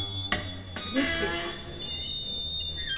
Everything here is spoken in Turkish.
Zeki…